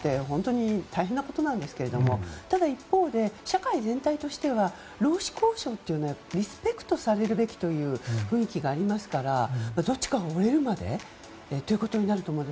本当に大変なことなんですがただ一方で、社会全体としては労使交渉というのはリスペクトされるべきという雰囲気がありますからどちらかが折れるまでということになると。